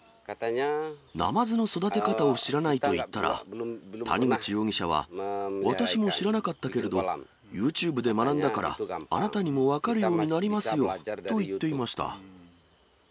ナマズの育て方を知らないと言ったら、谷口容疑者は、私も知らなかったけれど、ユーチューブで学んだから、あなたにも分かるようになりますよと言っていました。